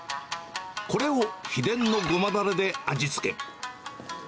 これを秘伝のごまだれで味付け。